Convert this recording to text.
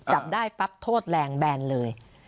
จับได้ปั๊บโทษแรงแบนเลย